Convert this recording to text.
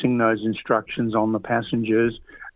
dan memperkuat instruksi instruksi itu pada pesawat